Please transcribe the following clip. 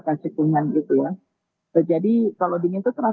terus gitu karena makanya semuanya meta